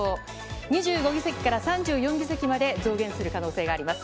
２５議席から３４議席まで増減する可能性があります。